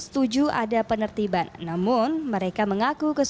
sebagai pemerintah kaki lima liar adalah